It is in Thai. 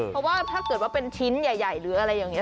เพราะว่าถ้าเกิดว่าเป็นชิ้นใหญ่หรืออะไรอย่างนี้